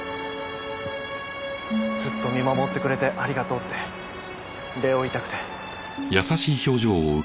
ずっと見守ってくれてありがとうって礼を言いたくて。